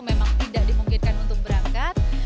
memang tidak dimungkinkan untuk berangkat